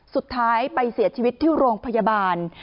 สุดท้ายไปเสียชีวิตที่โรงพยาบาล